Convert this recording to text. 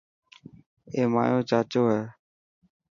اي مايو چاچو هي.